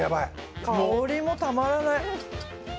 香りもたまらない！